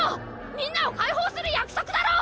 みんなを解放する約束だろ！